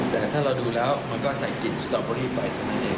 แต่ถ้าเราดูแล้วมันก็ใส่กลิ่นสตอเบอรี่ไปเท่านั้นเอง